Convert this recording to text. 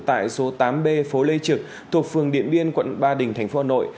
tại số tám b phố lê trực thuộc phường điện biên quận ba đình tp hà nội